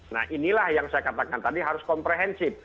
nah inilah yang saya katakan tadi harus komprehensif